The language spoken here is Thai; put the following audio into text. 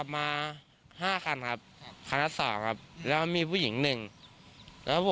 ยังเดินไม่ถึงเลย